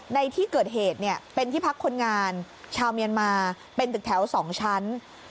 ในที่เกิดเหตุเนี่ยเป็นที่พักคนงานชาวเมียนมาเป็นตึกแถว๒ชั้น